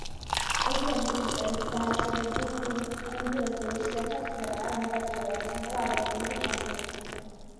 ექიმების ვიზიტები დაშორებულ კუნძულებზე იშვიათად ხდება, რაც ნეგატიურად აისახება ადამიანების ჯანმრთელობაზე.